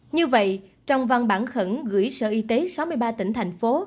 như vậy trong văn bản khẩn gửi sở y tế sáu mươi ba tỉnh thành phố